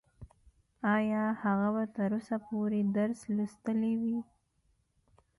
ايا هغه به تر اوسه پورې درس لوستلی وي؟